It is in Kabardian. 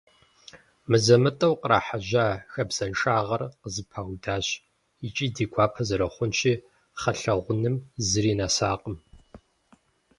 Мызэ-мытӀэу кърахьэжьа хабзэншагъэр къызэпаудащ, икӀи, ди гуапэ зэрыхъунщи, кхъэлъэгъунэм зыри нэсакъым.